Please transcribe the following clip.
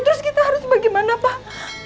terus kita harus bagi mana pak